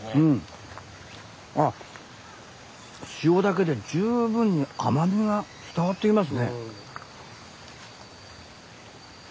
あっ塩だけで十分に甘みが伝わってきますね。